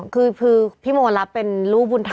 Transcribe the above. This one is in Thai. คือพี่โมรับเป็นลูกบุญธรรม